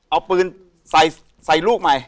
เอาปืนใส่ลูกใหม่